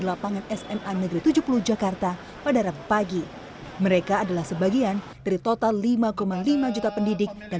lapangan sma negeri tujuh puluh jakarta pada rabu pagi mereka adalah sebagian dari total lima lima juta pendidik dan